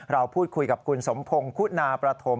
เราพูดคุยกับคุณสมพงศ์คุณาประถม